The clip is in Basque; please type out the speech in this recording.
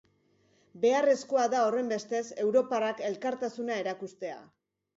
Beharrezkoa da, horrenbestez, europarrak elkartasuna erakustea.